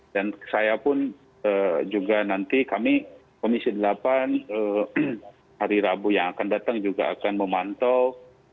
dan saya pun juga nanti kami komisi delapan hari rabu yang akan datang juga akan memantau